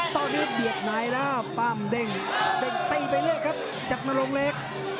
ตอนนี้เดียกนายแล้วปั้มเด้งตีไปเลยครับจักรโนโลงเล็ก